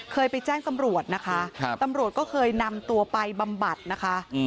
เคยไปแจ้งตำรวจนะคะตำรวจก็เคยนำตัวไปบำบัดนะคะ